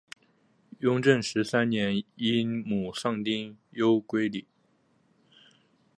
雍正十三年因母丧丁忧归里。